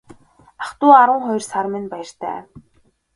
Ах дүү арван хоёр сар минь баяртай.